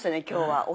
今日は。